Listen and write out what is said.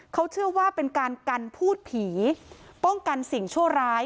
เขาเชื่อว่าเป็นการกันพูดผีป้องกันสิ่งชั่วร้าย